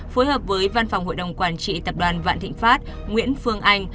phối hợp với văn phòng hội đồng quản trị tập đoàn vạn thịnh pháp nguyễn phương anh